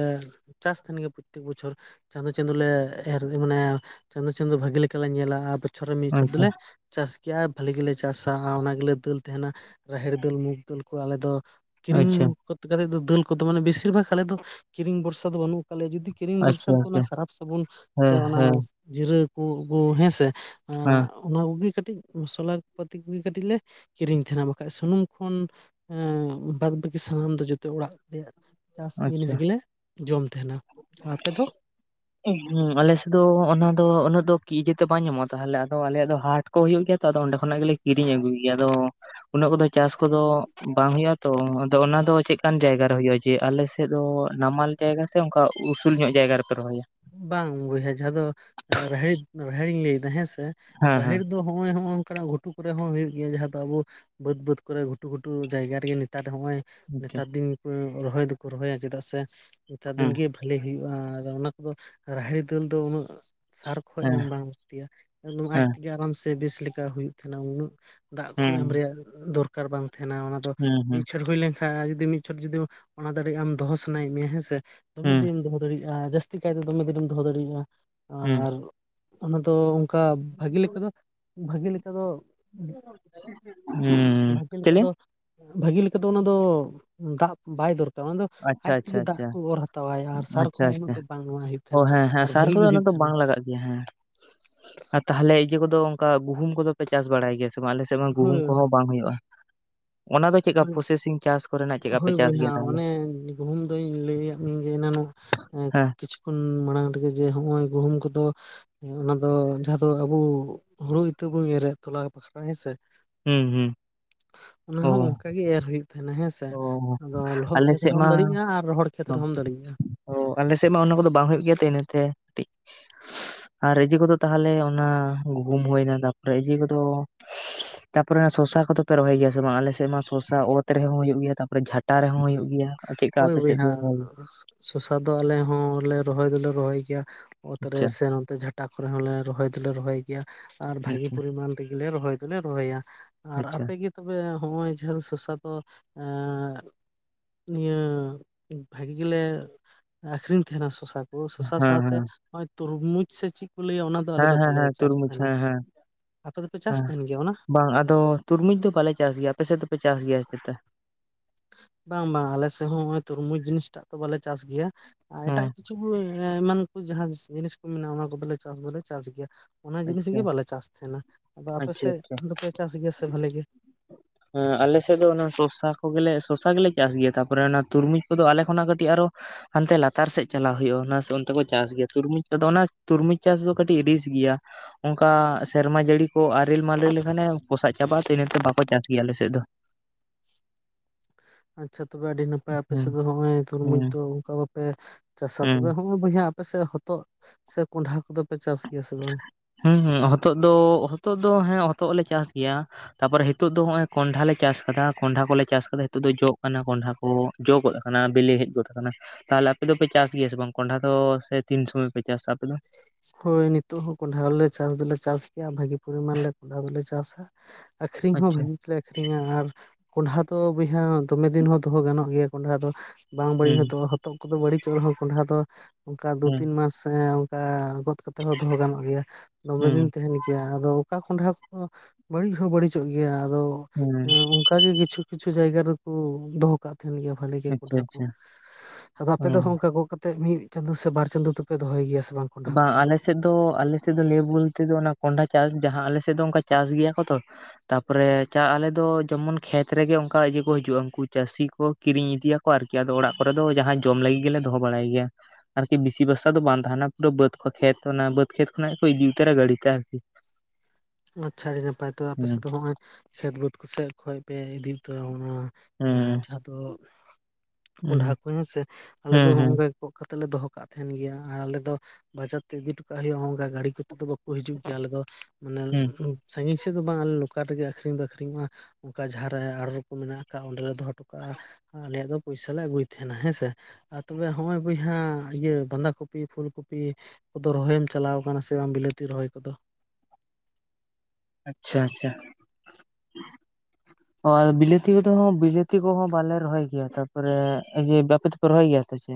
ᱪᱟᱥ ᱛᱟᱦᱮᱱ ᱜᱮ ᱯᱨᱚᱛᱮᱠ ᱵᱚᱪᱷᱚᱨ ᱪᱟᱸᱫᱳ ᱪᱟᱸᱫᱳ ᱞᱮ ᱮᱨ ᱢᱟᱱᱮ ᱪᱟᱸᱫᱳ ᱪᱟᱸᱫᱳ ᱵᱷᱟᱹᱜᱤ ᱞᱮᱠᱟᱞᱮ ᱧᱮᱞᱟ ᱟᱨ ᱵᱚᱪᱷᱚᱨ ᱨᱮ ᱢᱤᱫ ᱵᱚᱪᱷᱚᱨ ᱟᱪᱪᱷᱟ ᱫᱚᱞᱮ ᱪᱟᱥ ᱜᱮᱭᱟ ᱵᱷᱟᱹᱞᱮ ᱜᱮᱞᱮ ᱪᱟᱥᱟ ᱟᱨ ᱚᱱᱟ ᱜᱮᱞᱮ ᱫᱟᱹᱞ ᱛᱟᱦᱮᱸᱱᱟ ᱨᱟᱦᱮᱲ ᱫᱟᱹᱞ ᱢᱩᱜᱽ ᱫᱟᱹᱞ ᱠᱚ ᱟᱞᱮ ᱫᱚ ᱟᱪᱪᱷᱟ ᱠᱤᱨᱤᱧ ᱠᱚ ᱠᱟᱛᱮ ᱫᱚ ᱫᱟᱹᱞ ᱠᱚᱫᱚ ᱢᱟᱱᱮ ᱵᱤᱥᱤᱨ ᱵᱷᱟᱜᱽ ᱟᱞᱮ ᱫᱚ ᱠᱤᱨᱤᱧ ᱵᱷᱚᱨᱥᱟ ᱫᱚ ᱵᱟᱹᱱᱩᱜ ᱟᱠᱟᱫ ᱞᱮᱭᱟ ᱡᱩᱫᱤ ᱠᱤᱨᱤᱧ ᱵᱷᱚᱨᱥᱟ ᱟᱪᱪᱷᱟ ᱨᱮᱫᱚ ᱚᱱᱟ ᱟᱪᱪᱷᱟ ᱥᱟᱨᱟᱯ ᱥᱟᱵᱩᱱ ᱥᱮ ᱦᱮᱸ ᱚᱱᱟ ᱦᱮᱸ ᱡᱤᱨᱟᱹ ᱠᱚ ᱦᱮᱸᱥᱮ ᱾ ᱦᱮᱸ ᱚᱱᱟ ᱠᱚᱜᱮ ᱠᱟᱹᱴᱤᱡ ᱢᱚᱥᱞᱟ ᱯᱟᱹᱛᱤ ᱠᱚᱜᱮ ᱠᱟᱹᱴᱤᱡ ᱞᱮ ᱠᱤᱨᱤᱧ ᱛᱟᱦᱮᱸᱱᱟ ᱾ ᱵᱟᱠᱷᱟᱡ ᱥᱩᱱᱩᱢ ᱠᱷᱚᱱ ᱦᱮᱸ ᱵᱟᱫ ᱵᱟᱹᱠᱤ ᱥᱟᱱᱟᱢ ᱫᱚ ᱡᱷᱚᱛᱚ ᱚᱲᱟᱜ ᱨᱮᱭᱟᱜ ᱪᱟᱥ ᱟᱪᱪᱷᱟ ᱡᱤᱱᱤᱥ ᱜᱮᱞᱮ ᱡᱚᱢ ᱛᱟᱦᱮᱸᱱᱟ ᱾ ᱟᱯᱮ ᱫᱚ? ᱦᱩᱸ ᱟᱞᱮ ᱥᱮᱫ ᱫᱚ ᱚᱱᱟ ᱫᱚ ᱩᱱᱟᱹᱜ ᱫᱚ ᱠᱤᱡᱮ ᱛᱮ ᱵᱟᱝ ᱧᱟᱢᱚᱜᱼᱟ ᱛᱟᱦᱚᱞᱮ ᱟᱫᱚ ᱟᱞᱮᱭᱟᱜ ᱫᱚ ᱦᱟᱴ ᱠᱚ ᱦᱩᱭᱩᱜ ᱜᱮᱭᱟ ᱛᱚ ᱟᱫᱚ ᱚᱸᱰᱮ ᱠᱷᱚᱱᱟᱜ ᱜᱮᱞᱮ ᱠᱤᱨᱤᱧ ᱟᱹᱜᱩᱭ ᱜᱮᱭᱟ ᱟᱫᱚ, ᱩᱱᱟᱹᱜ ᱠᱚ ᱫᱚ ᱪᱟᱥ ᱠᱚ ᱫᱚ ᱵᱟᱝ ᱦᱳᱭᱳᱜᱼᱟ ᱛᱚ ᱟᱫᱚ ᱚᱱᱟ ᱫᱚ ᱪᱮᱫᱠᱟᱱ ᱡᱟᱭᱜᱟ ᱨᱮ ᱦᱳᱭᱳᱜᱼᱟ ᱾ ᱡᱮ ᱟᱞᱮ ᱥᱮᱫ ᱫᱚ ᱱᱟᱢᱟᱞ ᱡᱟᱭᱜᱟ ᱥᱮ ᱚᱱᱠᱟ ᱩᱥᱩᱞ ᱧᱚᱜ ᱡᱟᱭᱜᱟ ᱨᱮᱯᱮ ᱨᱚᱦᱚᱭᱟ? ᱵᱟᱝ ᱵᱚᱭᱦᱟ ᱡᱟᱦᱟᱸ ᱫᱚ ᱨᱟᱦᱮᱲ ᱨᱟᱦᱮᱲ ᱤᱧ ᱞᱟᱹᱭ ᱮᱫᱟ ᱦᱮᱸᱥᱮ ᱦᱮᱸ ᱨᱟᱦᱮᱲ ᱦᱮᱸ ᱦᱚᱸᱜᱼᱚᱭ ᱦᱚᱸᱜ ᱱᱚᱝᱠᱟᱱᱟᱜ ᱜᱷᱩᱴᱩ ᱠᱚᱨᱮ ᱦᱚᱸ ᱦᱩᱭᱩᱜ ᱜᱮᱭᱟ ᱾ ᱡᱟᱦᱟᱸ ᱫᱚ ᱟᱵᱚ ᱵᱟᱹᱫᱽ ᱵᱟᱹᱫᱽ ᱠᱚᱨᱮ ᱜᱷᱩᱴᱩ ᱜᱷᱩᱴᱩ ᱡᱟᱭᱜᱟ ᱨᱮᱜᱮ ᱱᱮᱛᱟᱨ ᱱᱚᱜᱼᱚᱭ ᱟᱪᱪᱷᱟ ᱱᱮᱛᱟᱨ ᱫᱤᱱ ᱨᱚᱦᱚᱭ ᱫᱚᱠᱚ ᱨᱚᱦᱚᱭᱟ ᱪᱮᱫᱟᱜ ᱥᱮ ᱱᱮᱛᱟᱨ ᱫᱤᱱ ᱦᱮᱸ ᱜᱮ ᱵᱷᱟᱞᱮ ᱦᱩᱭᱩᱜᱼᱟ ᱾ ᱟᱫᱚ ᱚᱱᱟ ᱟᱫᱚ ᱨᱟᱦᱮᱲ ᱫᱟᱹᱞ ᱫᱚ ᱩᱱᱟᱹᱜ ᱥᱟᱨ ᱠᱚ ᱦᱚᱸ ᱦᱮᱸ ᱮᱢ ᱵᱟᱝ ᱞᱟᱹᱠᱛᱤᱭᱟ ᱮᱠᱫᱚᱢ ᱟᱡ ᱦᱮᱸ ᱛᱮᱜᱮ ᱟᱨᱟᱢ ᱥᱮ ᱵᱮᱥ ᱞᱮᱠᱟ ᱦᱩᱭᱩᱜ ᱛᱟᱦᱮᱸᱱᱟ ᱾ ᱩᱱᱟᱹᱜ ᱫᱟᱜ ᱦᱮᱸ ᱠᱚ ᱮᱢ ᱨᱮᱭᱟᱜ ᱫᱚᱨᱠᱟᱨ ᱵᱟᱝ ᱛᱟᱦᱮᱸᱱᱟ ᱾ ᱚᱱᱟ ᱫᱚ ᱢᱤᱫ ᱦᱮᱸ ᱪᱷᱚᱴ ᱦᱩᱭ ᱞᱮᱱᱠᱷᱟᱱ ᱦᱮᱸ ᱡᱩᱫᱤ ᱢᱤᱫ ᱪᱷᱚᱴ ᱡᱩᱫᱤ ᱚᱱᱟ ᱫᱟᱨᱮ ᱟᱢ ᱫᱚᱦᱚ ᱥᱟᱱᱟᱭᱮᱫ ᱢᱮᱭᱟ ᱦᱮᱸᱥᱮ ᱫᱚᱢᱮ ᱦᱮᱸ ᱫᱤᱱ ᱫᱚᱦᱚ ᱫᱟᱲᱮᱭᱟᱜᱼᱟ ᱾ ᱡᱟᱹᱥᱛᱤ ᱡᱟᱹᱥᱛᱤ ᱠᱟᱭᱛᱮ ᱫᱚ ᱫᱚᱢᱮ ᱫᱤᱱᱮᱢ ᱫᱚᱦᱚ ᱫᱟᱲᱮᱭᱟᱜᱼᱟ ᱾ ᱦᱮᱸ ᱟᱨ ᱚᱱᱟ ᱫᱚ ᱚᱱᱠᱟ ᱵᱷᱟᱜᱮ ᱞᱮᱠᱟ ᱫᱚ ᱵᱷᱟᱹᱜᱮ ᱞᱮᱠᱟ ᱫᱚ ᱦᱮᱸ ᱦᱮᱸ ᱵᱷᱟᱜᱮ ᱞᱮᱠᱟ ᱪᱮᱞᱮ ᱫᱚ ᱵᱷᱟᱜᱮ ᱞᱮᱠᱟ ᱫᱚ ᱚᱱᱟ ᱫᱚ ᱫᱟᱜ ᱵᱟᱭ ᱫᱚᱨᱠᱟᱨ ᱚᱱᱟ ᱫᱚ ᱟᱪᱪᱷᱟ ᱟᱡ ᱟᱪᱪᱷᱟ ᱛᱮᱜᱮ ᱫᱟᱜ ᱟᱪᱪᱷᱟ ᱠᱚ ᱚᱨ ᱦᱟᱛᱟᱣᱟᱭ ᱟᱨ ᱥᱟᱨ ᱟᱪᱪᱷᱟ ᱠᱚᱦᱚᱸ ᱩᱱᱟᱹᱜ ᱟᱪᱪᱷᱟ ᱫᱚ ᱟᱨ ᱱᱚᱣᱟ ᱦᱩᱭᱩᱜ ᱚ ᱛᱟᱦᱮᱸᱱᱟ ᱦᱮᱸ ᱦᱮᱸ ᱟᱨ ᱥᱟᱨ ᱵᱷᱟᱹᱜᱤ ᱜᱮ ᱠᱚᱫᱚ ᱚᱱᱟ ᱦᱩᱭᱩᱜ ᱫᱚ ᱛᱟᱦᱮᱱᱟ ᱵᱟᱝ ᱾ ᱞᱟᱜᱟᱜ ᱜᱮᱭᱟ ᱦᱮᱸ ᱾ ᱛᱟᱦᱞᱮ ᱤᱭᱟᱹ ᱠᱚᱫᱚ ᱚᱱᱠᱟ ᱜᱩᱦᱩᱢ ᱠᱚᱫᱚ ᱯᱮ ᱪᱟᱥ ᱵᱟᱲᱟᱭ ᱜᱮᱭᱟ ᱥᱮ ᱵᱟᱝ ᱟᱞᱮ ᱥᱮᱫ ᱢᱟ ᱜᱩᱦᱩᱢ ᱦᱳᱭ ᱠᱚᱦᱚᱸ ᱵᱟᱝ ᱦᱩᱭᱩᱜᱼᱟ ᱾ ᱚᱱᱟ ᱫᱚ ᱪᱮᱫ ᱞᱮᱠᱟ ᱯᱨᱚᱥᱮᱥᱤᱝ ᱪᱟᱥ ᱠᱚᱨᱮᱱᱟᱜ ᱪᱮᱫ ᱞᱮᱠᱟ ᱯᱮ ᱦᱳᱭ ᱪᱟᱥ ᱵᱚᱭᱦᱟ ᱜᱮᱭᱟ? ᱛᱟᱦᱞᱮ ᱚᱱᱮ ᱜᱩᱦᱩᱢ ᱫᱩᱧ ᱞᱟᱹᱭᱟ ᱡᱮ ᱮᱱᱟᱱᱚᱜ ᱦᱮᱸ ᱠᱤᱪᱷᱩ ᱠᱷᱚᱱ ᱢᱟᱲᱟᱝ ᱨᱮᱜᱮ ᱡᱮ ᱦᱚᱸᱜᱼᱚᱭ ᱜᱩᱦᱩᱢ ᱠᱚᱫᱚ ᱚᱱᱟ ᱫᱚ ᱡᱟᱦᱟᱸ ᱫᱚ ᱟᱵᱚ ᱦᱩᱲᱩ ᱤᱛᱟᱹ ᱵᱚᱱ ᱮᱨᱮᱛ ᱛᱚᱞᱟ ᱵᱟᱠᱷᱨᱟ ᱦᱮᱸᱥᱮ ᱦᱩᱸ ᱦᱩᱸ ᱾ ᱚᱱᱟ ᱦᱚᱸ ᱚᱱᱠᱟ ᱜᱮ ᱮᱨ ᱦᱩᱭᱩᱜᱼᱟ ᱾ ᱦᱩᱭᱩᱜ ᱛᱟᱦᱮᱸᱱᱟ ᱦᱮᱸᱥᱮ ᱚ ᱟᱫᱚ ᱞᱚᱦᱚᱫ ᱟᱞᱮ ᱠᱷᱮᱛ ᱥᱮᱫ ᱢᱟ ᱨᱮᱦᱚᱸᱚᱢ ᱫᱟᱲᱮᱜᱼᱟ ᱟᱨ ᱨᱚᱦᱚᱲ ᱠᱷᱮᱛ ᱨᱮᱦᱚᱸᱢ ᱫᱟᱲᱮᱜᱼᱟ ᱾ ᱚ ᱟᱞᱮ ᱥᱮᱫ ᱢᱟ ᱚᱱᱟ ᱠᱚᱫᱚ ᱵᱟᱝ ᱦᱳᱭᱳᱜ ᱜᱮᱭᱟ ᱛᱚ ᱤᱱᱟᱹᱛᱮ ᱠᱟᱹᱴᱤᱡ ᱟᱨ ᱤᱡᱟᱹ ᱠᱚᱫᱚ ᱛᱟᱦᱞᱮ ᱚᱱᱟ ᱜᱩᱦᱩᱢ ᱦᱩᱭ ᱮᱱᱟ ᱛᱟᱨᱯᱚᱨᱮ ᱤᱡᱟᱹ ᱠᱚᱫᱚ ᱛᱟᱯᱚᱨᱮ ᱚᱱᱟ ᱥᱚᱥᱟ ᱠᱚᱫᱚᱯᱮ ᱨᱚᱦᱚᱭ ᱜᱮᱭᱟ ᱥᱮ ᱵᱟᱝ? ᱟᱞᱮ ᱥᱮᱫ ᱢᱟ ᱥᱚᱥᱟ ᱚᱛ ᱨᱮᱦᱚᱸ ᱦᱩᱭᱩᱜ ᱜᱮᱭᱟ ᱛᱟᱯᱚᱨᱮ ᱡᱷᱟᱴᱟ ᱡᱷᱴᱟ ᱨᱮᱦᱚᱸ ᱦᱩᱭᱩᱜ ᱜᱮᱭᱟ ᱟᱨ ᱪᱮᱫ ᱞᱮᱠᱟ ᱦᱳᱭ ᱟᱯᱮᱥᱮᱫ ᱵᱚᱭᱦᱟ ᱫᱚ ᱨᱚᱦᱚᱭ ᱥᱚᱥᱟ ᱫᱚ ᱟᱞᱮ ᱦᱚᱸᱞᱮ ᱨᱚᱦᱚᱭ ᱫᱚᱞᱮ ᱨᱚᱦᱚᱭ ᱜᱮᱭᱟ ᱾ ᱚᱛ ᱨᱮ ᱟᱪᱪᱷᱟ ᱥᱮ ᱱᱚᱛᱮ ᱡᱷᱟᱴᱟ ᱠᱚᱨᱮ ᱦᱚᱸᱞᱮ ᱨᱚᱦᱚᱭ ᱫᱚᱞᱮ ᱨᱚᱦᱚᱭ ᱜᱮᱭᱟ ᱟᱨ ᱵᱷᱟᱹᱜᱤ ᱟᱪᱪᱷᱟ ᱯᱚᱨᱤᱢᱟᱱ ᱮᱜᱮᱞᱮ ᱨᱚᱦᱚᱭ ᱫᱚᱞᱮ ᱨᱚᱦᱚᱭ ᱜᱮᱭᱟ ᱾ ᱟᱨ ᱟᱪᱪᱷᱟ ᱟᱯᱮ ᱜᱮ ᱛᱚᱵᱮ ᱦᱚᱸᱜᱼᱚᱭ ᱡᱮ ᱥᱚᱥᱟ ᱫᱚ ᱮᱸᱜ ᱱᱤᱭᱟᱹ ᱵᱷᱟᱹᱜᱤ ᱜᱮᱞᱮ ᱟᱠᱷᱨᱤᱧ ᱛᱟᱦᱮᱸᱱᱟ ᱥᱚᱥᱟ ᱠᱚ ᱾ ᱥᱚᱥᱟ ᱦᱮᱸ ᱥᱟᱶᱛᱮ ᱦᱮᱸ ᱚᱸ ᱛᱩᱨᱢᱩᱡᱽ ᱥᱮ ᱪᱮᱫ ᱠᱚ ᱞᱟᱹᱭᱟ ᱚᱱᱟ ᱫᱚ ᱟᱞᱮ ᱦᱮᱸ ᱫᱚ ᱦᱮᱸ ᱵᱟᱞᱮ ᱦᱮᱸ ᱪᱟᱥ ᱛᱩᱨᱢᱩᱡᱽ ᱛᱟᱦᱮᱱᱟ ᱦᱮᱸ ᱦᱮᱸ ᱟᱯᱮ ᱫᱚᱯᱮ ᱪᱟᱥ ᱦᱮᱸ ᱛᱟᱦᱮᱱ ᱜᱮᱭᱟ ᱚᱱᱟ ᱵᱟᱝ ᱟᱫᱚ ᱛᱩᱨᱢᱩᱡᱽ ᱫᱚ ᱵᱟᱞᱮ ᱪᱟᱥ ᱜᱮᱭᱟ ᱟᱯᱮ ᱥᱮᱫ ᱫᱚᱯᱮ ᱪᱟᱥ ᱜᱮᱭᱟ ᱪᱮᱛᱟ? ᱵᱟᱝ ᱵᱟᱝ ᱟᱞᱮ ᱥᱮᱫ ᱦᱚᱸ ᱱᱚᱜᱚᱭ ᱛᱩᱨᱢᱩᱡᱽ ᱡᱤᱱᱤᱥᱴᱟᱜ ᱫᱚ ᱵᱟᱞᱮ ᱪᱟᱥ ᱜᱮᱭᱟ। ᱮᱴᱟᱜ ᱦᱮᱸ ᱠᱤᱪᱷᱩ ᱠᱤᱪᱷᱩ ᱮᱢᱟᱱ ᱠᱚ ᱡᱟᱦᱟᱸ ᱡᱤᱱᱤᱥ ᱠᱚ ᱢᱮᱱᱟᱜᱼᱟ ᱚᱱᱟ ᱠᱚᱫᱚᱞᱮ ᱪᱟᱥ ᱫᱚᱞᱮ ᱪᱟᱥ ᱜᱮᱭᱟ। ᱚᱱᱟ ᱡᱤᱱᱤᱥ ᱟᱪᱪᱷᱟ ᱜᱮ ᱵᱟᱞᱮ ᱪᱟᱥ ᱛᱟᱦᱮᱸᱱᱟ ᱾ ᱟᱫᱚ ᱟᱯᱮ ᱟᱪᱪᱷᱟ ᱥᱮᱫ ᱟᱪᱪᱷᱟ ᱫᱚᱯᱮ ᱪᱟᱥ ᱜᱮᱭᱟ ᱥᱮ ᱵᱷᱟᱞᱮ ᱜᱮ ᱾ ᱦᱮᱸ ᱟᱞᱮ ᱥᱮᱫ ᱫᱚ ᱚᱱᱟ ᱥᱚᱥᱟ ᱠᱚᱜᱮᱞᱮ ᱥᱚᱥᱟ ᱜᱮᱞᱮ ᱪᱟᱥ ᱜᱮᱭᱟ ᱾ ᱛᱟᱯᱚᱨᱮ ᱚᱱᱟ ᱛᱩᱨᱢᱩᱡ ᱠᱚᱫᱚ ᱟᱞᱮ ᱠᱷᱚᱱᱟᱜ ᱠᱟᱹᱴᱤᱡ ᱟᱨᱚ ᱦᱟᱱᱛᱮ ᱞᱟᱛᱟᱨ ᱥᱮᱫ ᱪᱟᱞᱟᱜ ᱦᱩᱭᱩᱜᱼᱟ। ᱚᱱᱟ ᱚᱱᱛᱮ ᱠᱚ ᱪᱟᱥ ᱜᱮᱭᱟ ᱾ ᱛᱩᱨᱢᱩᱡᱽ ᱫᱚ ᱚᱱᱟ ᱛᱩᱨᱢᱩᱡᱽ ᱪᱟᱥ ᱫᱚ ᱠᱟᱹᱴᱤᱡ ᱨᱤᱠᱥ ᱜᱮᱭᱟ ᱾ ᱚᱱᱠᱟ ᱥᱮᱨᱢᱟ ᱡᱟᱹᱲᱤ ᱠᱚ ᱟᱨᱮᱞ ᱢᱟᱨᱮᱞ‌ ᱞᱮᱠᱷᱟᱱᱮ ᱯᱚᱥᱟᱜ ᱪᱟᱵᱟᱜ-ᱟ ᱛᱚ ᱤᱱᱟᱹ ᱛᱮ ᱵᱟᱠᱚ ᱪᱟᱥ ᱜᱮᱭᱟ ᱟᱞᱮ ᱥᱮᱫ ᱫᱚ᱾ ᱟᱪᱪᱷᱟ ᱛᱚᱵᱮ ᱟᱹᱰᱤ ᱱᱟᱯᱟᱭ ᱟᱯᱮ ᱦᱩᱸ ᱥᱮᱜ ᱫᱚ ᱦᱚᱜ-ᱚᱸᱭ ᱛᱩᱨᱢᱩᱡᱽ ᱦᱩᱸ ᱫᱚ ᱚᱱᱠᱟ ᱵᱟᱯᱮ ᱪᱟᱥᱟ ᱦᱩᱸ ᱛᱚᱵᱮ ᱦᱚᱸᱼᱼ ᱚᱸ ᱵᱚᱭᱦᱟ ᱟᱯᱮ ᱥᱮᱜ ᱦᱚᱛᱚᱜ ᱥᱮ ᱠᱚᱸᱰᱷᱦᱟ ᱠᱚᱫᱚ ᱯᱮ ᱪᱟᱥ ᱜᱮᱭᱟ ᱥᱮ ᱵᱟᱝ? ᱦᱩᱸ ᱦᱩᱸ ᱦᱚᱛᱚᱫ ᱫᱚ ᱦᱚᱛᱚᱫ ᱫᱚ ᱦᱮᱸ ᱦᱚᱛᱚᱫ ᱞᱮ ᱪᱟᱥ ᱜᱤᱭᱟ᱾ ᱛᱟᱯᱚᱨᱮ ᱦᱤᱸᱛᱩᱜ ᱫᱚ ᱦᱚᱸᱜ-ᱚᱭ ᱠᱚᱸᱰᱷᱦᱟ ᱞᱮ ᱪᱟᱥ ᱠᱟᱫᱟ ᱠᱚᱸᱰᱷᱦᱟ ᱠᱚᱞᱮ ᱪᱟᱥ ᱠᱟᱫᱟ ᱦᱤᱸᱛᱩᱜ ᱫᱚ ᱡᱚᱜ ᱠᱟᱱᱟ ᱠᱚᱸᱰᱷᱟ ᱠᱚ᱾ ᱡᱚ ᱜᱚᱫ ᱟᱠᱟᱱᱟ ᱵᱮᱞᱮ ᱦᱮᱡ ᱜᱚᱫ ᱟᱠᱟᱱᱟ᱾ ᱛᱟᱦᱚᱞᱮ ᱟᱯᱮ ᱫᱚᱯᱮ ᱪᱟᱥ ᱜᱮᱭᱟ ᱥᱮ ᱵᱟᱝ ᱠᱚᱸᱰᱷᱟ ᱫᱚ ᱥᱮ ᱛᱤᱱ ᱥᱚᱢᱟᱹᱭ ᱯᱮ ᱪᱟᱥᱟ ᱟᱯᱮ ᱫᱚ? ᱦᱳᱭ ᱱᱤᱛᱚᱜ ᱦᱚᱸ ᱠᱚᱸᱰᱷᱦᱟ ᱦᱚᱸᱞᱮ ᱪᱟᱥ ᱫᱚᱞᱮ ᱪᱟᱥ ᱜᱤᱭᱟ ᱵᱷᱟᱜᱤ ᱯᱚᱨᱤᱢᱟᱱ ᱞᱮ ᱠᱚᱸᱰᱷᱦᱟ ᱫᱚᱞᱮ ᱪᱟᱥᱟ᱾ ᱟᱹᱠᱷᱨᱤᱧ ᱦᱚᱸ ᱟᱪᱪᱷᱟ ᱵᱷᱟᱜᱤ ᱵᱟᱞᱮ ᱟᱹᱠᱷᱨᱤᱧᱟ ᱟᱨ ᱠᱚᱸᱰᱷᱦᱟ ᱫᱚ ᱵᱚᱭᱦᱟ ᱫᱚᱢᱮ ᱫᱤᱱ ᱦᱚᱸ ᱫᱚᱦᱚ ᱜᱟᱱᱚᱜ ᱜᱮᱭᱟ ᱠᱚᱸᱰᱷᱦᱟ ᱫᱚ᱾ ᱵᱟᱝ ᱵᱟᱹᱲᱤᱡ ᱦᱩᱸ ᱦᱚᱫᱚᱜ-ᱟ ᱦᱚᱛᱚᱜ ᱠᱚᱫᱚ ᱵᱟᱹᱲᱤᱪᱚᱜ ᱨᱮᱦᱚᱸ ᱠᱚᱸᱰᱦᱟ ᱫᱚ ᱚᱱᱠᱟ ᱫᱩ ᱦᱩᱸ ᱛᱤᱱ ᱢᱟᱥ ᱮᱸ ᱚᱱᱠᱟᱼᱼ ᱜᱚᱫ ᱠᱟᱛᱮᱜ ᱦᱚᱸ ᱫᱚᱦᱚ ᱜᱟᱱᱚᱜ ᱜᱮᱭᱟ, ᱫᱚᱢᱮ ᱫᱤᱱ ᱦᱩᱸ ᱛᱮᱦᱮᱱ ᱜᱮᱭᱟ᱾ ᱟᱫᱚᱼᱼ ᱚᱠᱟ ᱠᱚᱸᱰᱷᱟ ᱠᱚ ᱦᱚᱸ ᱵᱟᱹᱲᱤᱡ ᱦᱚᱸ ᱵᱟᱹᱲᱤᱪᱚᱜ ᱜᱮᱭᱟ ᱟᱫᱚ ᱦᱩᱸ ᱮᱸ ᱚᱝᱠᱟ ᱜᱮ ᱠᱤᱪᱷᱩᱼᱼ ᱠᱤᱪᱷᱩ ᱡᱟᱭᱜᱟ ᱨᱮᱠᱩ ᱫᱚᱦᱚ ᱠᱟᱜ ᱛᱮᱦᱮᱱ ᱜᱮᱭᱟ ᱵᱷᱟᱞᱤ ᱜᱮ ᱦᱩᱸ ᱟᱪᱪᱷᱟ ᱠᱚᱸᱰᱷᱟ ᱠᱩ, ᱟᱪᱪᱷᱟ ᱟᱫᱚ ᱟᱯᱮ ᱫᱚ ᱦᱩᱸ ᱦᱚᱸᱜ-ᱚ ᱱᱚᱝᱠᱟ ᱜᱟᱜ ᱠᱟᱛᱼᱼ ᱛᱮᱜ ᱢᱤᱫ ᱪᱟᱸᱫᱚ ᱥᱮ ᱵᱟᱨ ᱪᱟᱸᱫᱚ ᱫᱚᱯᱮ ᱫᱚᱦᱚᱭ ᱜᱮᱭᱟ ᱥᱮ ᱵᱟᱝ? ᱠᱚᱸᱰᱷᱟ ᱵᱟᱝ ᱠᱚᱫᱚ ᱟᱞᱮᱼᱼ ᱥᱮᱫ ᱫᱚ ᱟᱞᱮ ᱥᱮᱫ ᱫᱚ ᱞᱟᱭᱹ ᱵᱩᱞᱛᱮ ᱫᱚ ᱚᱱᱟ ᱠᱚᱸᱰᱦᱷᱟ ᱪᱟᱥ ᱡᱟᱦᱟᱸ ᱟᱞᱮ ᱥᱮᱜ ᱫᱚ ᱚᱱᱠᱟ ᱪᱟᱥ ᱜᱮᱭᱟ ᱠᱚ ᱛᱚᱼᱼ ᱛᱟᱯᱚᱨᱮ ᱪᱟ ᱟᱞᱮ ᱫᱚ ᱡᱚᱢᱚᱱ ᱠᱷᱮᱛ ᱨᱮᱜᱮ ᱚᱱᱠᱟ ᱤᱭᱟᱹ ᱠᱚ ᱦᱤᱡᱩᱜ-ᱟ ᱩᱱᱠᱩ ᱪᱟᱹᱥᱤ ᱠᱚ᱾ ᱠᱤᱨᱤᱧ ᱤᱫᱤᱭᱟ ᱠᱚ ᱟᱨᱠᱤ ᱟᱫᱚ ᱚᱲᱟᱜ ᱠᱚᱨᱮ ᱫᱚ ᱡᱟᱦᱟᱸᱭ ᱡᱚᱢ ᱞᱟᱹᱜᱤᱫ ᱜᱮᱞᱮ ᱫᱚᱦᱚ ᱵᱟᱲᱟᱭ ᱜᱮᱭᱟ᱾ ᱟᱨ ᱠᱤ ᱵᱮᱥᱤ ᱵᱟᱥᱟ ᱫᱚ ᱵᱟᱝ ᱛᱟᱦᱟᱱᱟ᱾ ᱫᱚ ᱵᱟᱹᱛᱷ ᱠᱷᱚ ᱠᱷᱮᱛ ᱚᱱᱟ ᱵᱟᱹᱫᱽ ᱠᱷᱮᱛ ᱠᱷᱚᱱᱟᱜ ᱜᱮ ᱠᱚ ᱤᱫᱤ ᱩᱛᱟᱹᱨᱟ ᱜᱟᱹᱲᱤ ᱛᱮ ᱟᱨᱠᱤ᱾ ᱟᱪᱪᱷᱟ ᱟᱹᱰᱤ ᱱᱟᱯᱟᱭ ᱛᱚ ᱟᱯᱮ ᱥᱮᱜ ᱦᱩᱸ ᱫᱚ ᱦᱚᱸᱜ-ᱚᱭ ᱠᱷᱮᱛ ᱵᱟᱹᱫᱽ ᱠᱚ ᱥᱮᱜ ᱠᱷᱚᱡ‌ ᱯᱮ ᱤᱫᱤ ᱩᱛᱟᱹᱨᱟ ᱦᱚᱸᱜ-ᱚ ᱱᱚᱶᱟ᱾ ᱮᱸᱻ ᱦᱩᱸ ᱡᱟᱦᱟᱸ ᱫᱚᱼᱼ ᱠᱚᱸᱰᱷᱦᱟ ᱦᱩᱸ ᱠᱚ ᱦᱮᱸ ᱥᱮ ᱟᱞᱮ ᱦᱩᱸ ᱫᱚ ᱦᱩᱸ ᱦᱚᱸᱜ-ᱚᱝᱠᱟ ᱜᱚᱜ ᱠᱟᱛᱮᱜ ᱞᱮ ᱫᱚᱦᱚᱼᱼ ᱠᱟᱜ ᱛᱟᱦᱮᱱ ᱜᱮᱭᱟ ᱟᱨ ᱟᱞᱮ ᱫᱚ ᱵᱟᱡᱟᱨ ᱛᱮ ᱤᱫᱤ ᱴᱚ ᱠᱟᱜ ᱦᱩᱭᱩᱜ-ᱟ ᱦᱚᱜ-ᱚᱝᱠᱟ ᱜᱟᱲᱤ ᱠᱚᱛᱮ ᱫᱚ ᱵᱟᱹᱠᱩ ᱦᱤᱡᱩᱜ ᱜᱮᱭᱟ ᱟᱞᱮ ᱫᱚ᱾ ᱮᱸ ᱦᱩᱸ ᱥᱟᱺᱜᱤᱧ ᱥᱮᱫ ᱫᱚ ᱵᱟᱝ ᱟᱞᱮ ᱞᱳᱠᱟᱞ ᱨᱮᱜᱮ ᱟᱹᱠᱷᱨᱤᱧ ᱫᱚ ᱟᱹᱠᱷᱨᱤᱧᱚᱜ-ᱟ᱾ ᱚᱱᱠᱟ ᱡᱟᱦᱟᱸ ᱨᱮ ᱟᱲᱚᱨ ᱠᱚ ᱢᱮᱱᱟᱜ ᱟᱠᱟᱜ ᱚᱸᱰᱮ ᱞᱮ ᱫᱚᱦᱚ ᱴᱩ ᱠᱟᱜ-ᱟ ᱟᱞᱮ ᱭᱟᱜ ᱫᱚ ᱯᱩᱭᱥᱟ ᱞᱮ ᱟᱜᱩᱭ ᱛᱮᱦᱮᱸᱱᱟ ᱦᱮᱸ ᱥᱮ᱾ ᱟᱨ ᱛᱚᱵᱮ ᱦᱚᱸᱜ-ᱚᱭ ᱵᱚᱭᱦᱟ ᱤᱭᱟᱹ ᱵᱟᱸᱫᱷᱟ ᱠᱩᱯᱤ ᱯᱷᱩᱞ ᱠᱩᱯᱤᱼᱼ ᱠᱚᱫᱚ ᱨᱚᱦᱚᱭᱮᱢ ᱪᱟᱞᱟᱣ ᱟᱠᱟᱱᱟ ᱥᱮ ᱵᱟᱝ ᱵᱤᱞᱟᱹᱛᱤ ᱨᱚᱦᱚᱭ ᱠᱚᱫᱚ? ᱟᱪᱪᱷᱟ ᱟᱪᱷᱟ᱾ [INAUDIBLE] ᱚᱻ ᱟᱨ ᱵᱤᱞᱟᱹᱛᱤ ᱠᱩᱫᱚ‌ ᱦᱚᱸ ᱵᱤᱞᱟᱹᱛᱤ ᱠᱚᱦᱚ ᱵᱟᱞᱮ ᱨᱚᱦᱚᱭ ᱜᱮᱭᱟ ᱛᱟᱯᱚᱨᱮ ᱤᱭᱟᱹ ᱵᱚ ᱟᱯᱮ ᱛᱚ ᱯᱮ ᱨᱚᱦᱚᱭ ᱜᱮᱭᱟ ᱛᱚ ᱪᱮ?